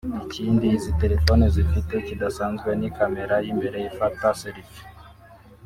Ikindi izi telefoni zifite kidasanzwe ni camera y’imbere ifata selfie